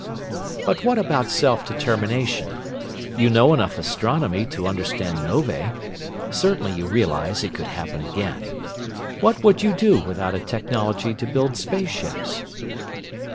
"But what about self determination? You know enough astronomy to understand novae. Surely you realize it could happen again. What would you do without a technology to build spaceships?"